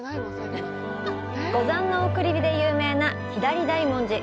五山の送り火で有名な左大文字。